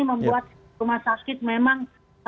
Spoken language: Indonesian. membuat rumah sakit memang